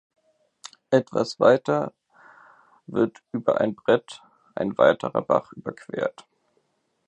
Etwas weiter wird über ein Brett ein weiterer Bach überquert.